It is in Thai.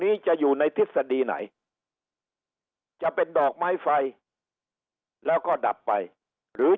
นี้จะอยู่ในทฤษฎีไหนจะเป็นดอกไม้ไฟแล้วก็ดับไปหรือ